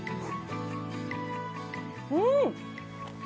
うん！